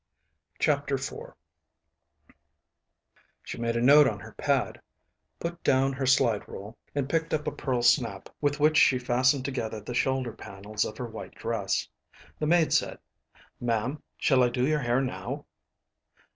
CHAPTER IV She made a note on her pad, put down her slide rule, and picked up a pearl snap with which she fastened together the shoulder panels of her white dress. The maid said, "Ma'am, shall I do your hair now?"